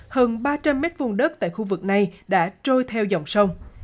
hơn ba trăm linh m vùng đất tại khu vực này đã trôi theo dòng sông